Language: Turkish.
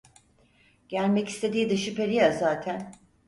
Gelmek istediği de şüpheli ya zaten.